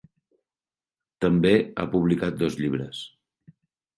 També ha publicat dos llibres.